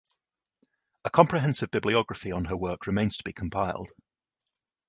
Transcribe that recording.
A comprehensive bibliography on her work remains to be compiled.